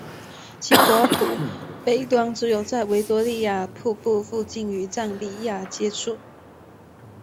其国土北端只有在维多利亚瀑布附近与赞比亚接触。